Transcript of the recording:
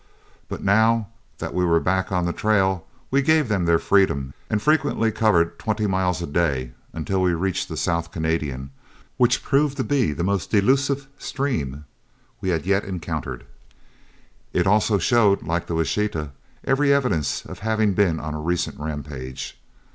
But now that we were back on the trail, we gave them their freedom and frequently covered twenty miles a day, until we reached the South Canadian, which proved to be the most delusive stream we had yet encountered. It also showed, like the Washita, every evidence of having been on a recent rampage.